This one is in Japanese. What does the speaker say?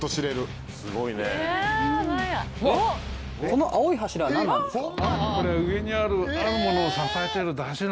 この青い柱何なんですか！？